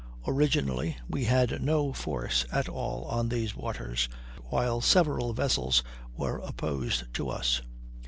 Originally we had no force at all on these waters, while several vessels were opposed to us.